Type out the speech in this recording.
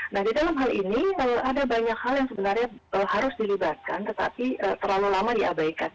nah di dalam hal ini ada banyak hal yang sebenarnya harus dilibatkan tetapi terlalu lama diabaikan